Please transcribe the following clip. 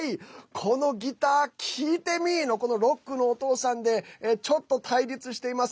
このギター聴いてみのこのロックのお父さんでちょっと対立しています。